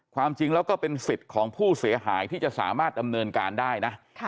ความจริงแล้วก็เป็นสิทธิ์ของผู้เสียหายที่จะสามารถดำเนินการได้นะ